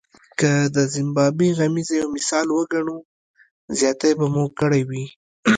که د زیمبابوې غمیزه یو مثال وګڼو زیاتی به مو کړی وي.